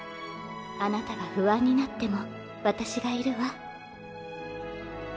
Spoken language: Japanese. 「あなたが不安になっても私がいるわ」